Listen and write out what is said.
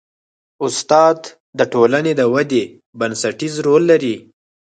استاد د ټولنې د ودې بنسټیز رول لري.